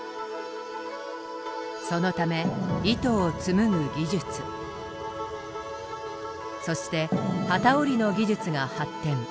そのため糸を紡ぐ技術そして機織りの技術が発展。